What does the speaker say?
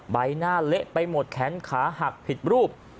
ใบหน้าเละไปหมดแขนขาหักผิดรูป